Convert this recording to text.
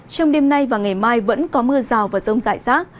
trong đêm nay và ngày mai vẫn có mưa rào và rông rải rác